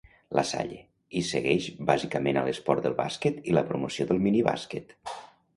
La Salle, i segueix bàsicament a l'esport del bàsquet i la promoció del minibàsquet.